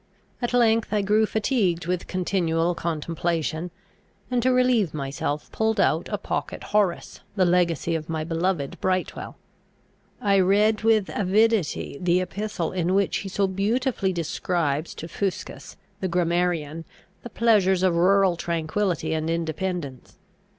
At length I grew fatigued with continual contemplation, and to relieve myself pulled out a pocket Horace, the legacy of my beloved Brightwel! I read with avidity the epistle in which he so beautifully describes to Fuscus, the grammarian, the pleasures of rural tranquillity and independence.